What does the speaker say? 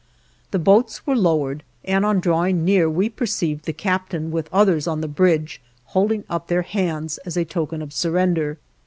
The boats were lowered, and on drawing near we perceived the captain with others on the bridge holding up their hands as a token of surrender.